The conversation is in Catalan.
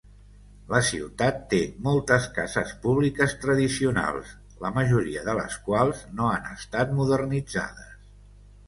La ciutat té moltes cases públiques tradicionals, la majoria de les quals no han estat modernitzades.